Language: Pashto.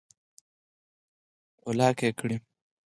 او لاک ئې کړي